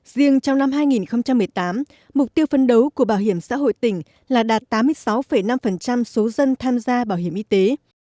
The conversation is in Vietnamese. riêng trong năm hai nghìn một mươi tám mục tiêu phân đấu của bảo hiểm xã hội tỉnh là đạt tám mươi sáu năm số dân tham gia bảo hiểm y tế